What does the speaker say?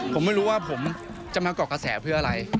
ผมไม่รู้ว่าผมจะมาเกาะกระแสเพื่ออะไร